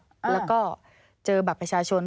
แล้วก็เจอบัตรประชาชน